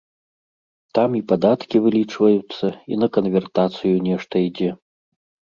Там і падаткі вылічваюцца, і на канвертацыю нешта ідзе.